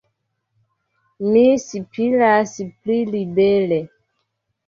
Mi spiras pli libere.